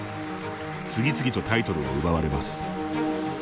次々とタイトルを奪われます。